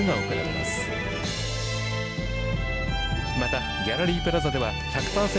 またギャラリープラザでは１００％